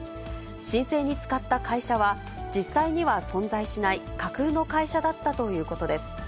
申請に使った会社は、実際には存在しない架空の会社だったということです。